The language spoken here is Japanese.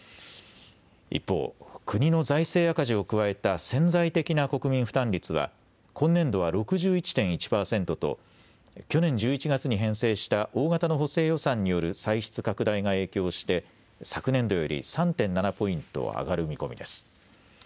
一方、国の財政赤字を加えた潜在的な国民負担率は今年度は６１．１％と去年１１月に編成した大型の補正予算による歳出拡大が影響して昨年度より３．７ポイント上がる見込みです。